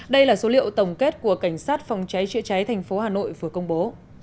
đây là số liệu tổng kết của cảnh sát phòng cháy chữa cháy thành phố hà nội vừa công bố